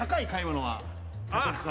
あっ！